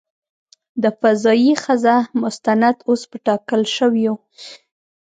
د "فضايي ښځه" مستند اوس په ټاکل شویو .